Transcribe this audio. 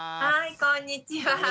はいこんにちは。